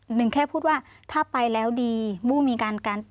หนึ่งแค่พูดว่าถ้าไปแล้วดีมู้มีการกัน